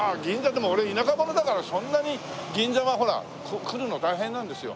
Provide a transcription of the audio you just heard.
でも俺田舎者だからそんなに銀座はほら来るの大変なんですよ。